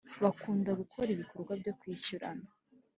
Bakunda gukora ibikorwa byo kwishyurana